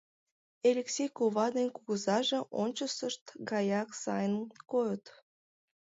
Элексей кува ден кугызаже ончысышт гаяк сайын койыт.